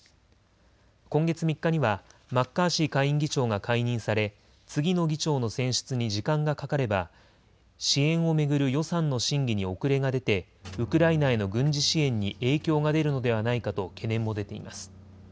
今月３日にはマッカーシー下院議長が解任され次の議長の選出に時間がかかれば支援を巡る予算の審議に遅れが出てウクライナへの軍事支援に影響が出るのではないかと懸念も出ています。